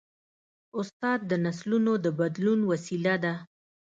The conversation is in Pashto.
استاد د نسلونو د بدلون وسیله ده.